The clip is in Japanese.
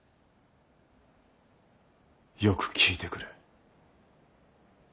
よく聞いてくれ。